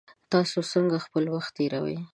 تاسو څنګه خپل وخت تیروئ؟